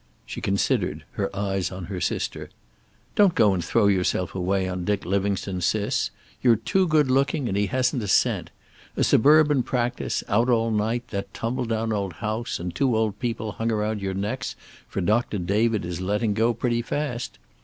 She considered, her eyes on her sister. "Don't go and throw yourself away on Dick Livingstone, Sis. You're too good looking, and he hasn't a cent. A suburban practice, out all night, that tumble down old house and two old people hung around your necks, for Doctor David is letting go pretty fast.